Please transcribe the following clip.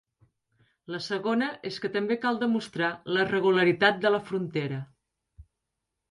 La segona és que també cal demostrar la regularitat de la frontera.